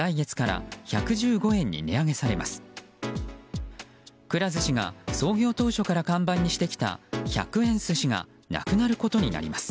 くら寿司が創業当初から看板にしてきた１００円寿司がなくなることになります。